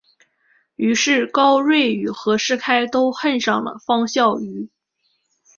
于是高睿与和士开都恨上高孝瑜。